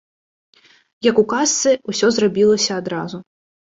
Як у казцы, усё зрабілася адразу.